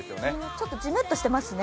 ちょっとじめっとしてますね。